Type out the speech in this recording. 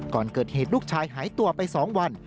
ก่อนเกิดเหตุลูกชายหายตัวไป๒วัน